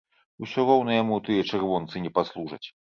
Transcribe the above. Усё роўна яму тыя чырвонцы не паслужаць.